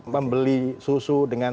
membeli susu dengan